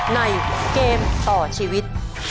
ในเกมต่อชีวิต